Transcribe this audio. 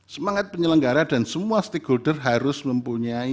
semangat penyelenggara dan semua stakeholder harus berpikir dengan kebijakan